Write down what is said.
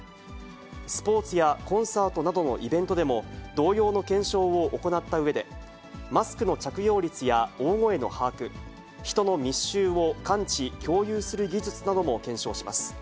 スポーツやコンサートなどのイベントでも、同様の検証を行ったうえで、マスクの着用率や大声の把握、人の密集を感知、共有する技術なども検証します。